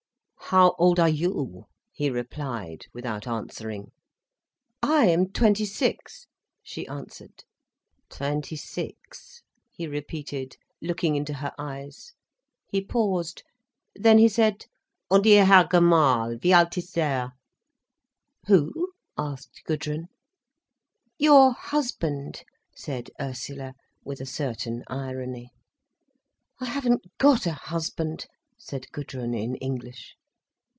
"How old are you?" he replied, without answering. "I am twenty six," she answered. "Twenty six," he repeated, looking into her eyes. He paused. Then he said: "Und Ihr Herr Gemahl, wie alt ist er?" "Who?" asked Gudrun. "Your husband," said Ursula, with a certain irony. "I haven't got a husband," said Gudrun in English.